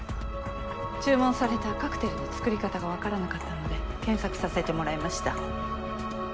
注文されたカクテルの作り方がわからなかったので検索させてもらいました。